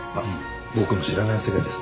僕の知らない世界です。